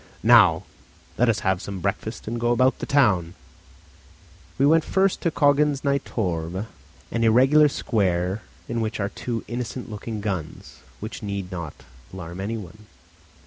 Now let us have some breakfast and go about the town." We went first to Kongens nye Torw, an irregular square in which are two innocent looking guns, which need not alarm any one.